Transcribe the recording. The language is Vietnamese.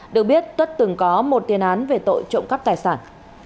được biết tất từng có một tiền án về tội trộm cắp tài sản